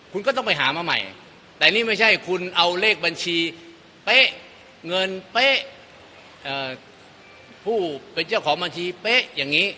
คุณก็ต้องไปหามาใหม่แต่นี่ไม่ใช่คุณเอาเลขบัญชีเป๊ะเงินเป๊ะผู้เป็นเจ้าของบัญชีเป๊ะอย่างนี้